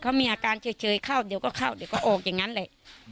เขามีอาการเฉยเข้าเดี๋ยวก็เข้าเดี๋ยวก็ออกอย่างนั้นแหละ